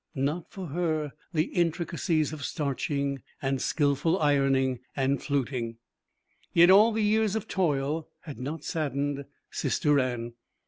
Not for her the intricacies of starching and skillful ironing and fluting. Yet all the years of toil had not saddened Sister Anne.